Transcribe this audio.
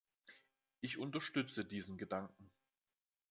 Ich unterstütze diesen Gedanken.